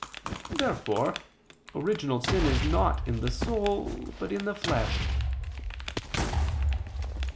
Therefore original sin is not in the soul but in the flesh.